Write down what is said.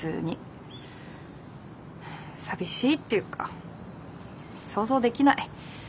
寂しいっていうか想像できない。